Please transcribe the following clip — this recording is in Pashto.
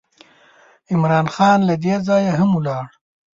عمرا خان له دې ځایه هم ولاړ.